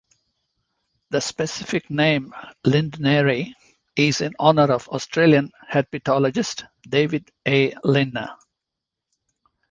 The specific name, "lindneri", is in honor of Australian herpetologist David A. Lindner.